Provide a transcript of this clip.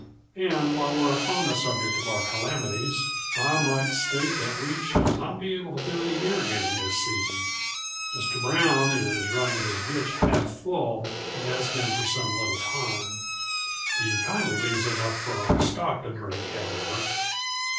And while we're upon the subject of our calamities, I might state that we shall not be able to do any irrigating this season. Mr. Brown is running his ditch half full and has been for some little time. He kindly leaves enough for our stock to drink, however!"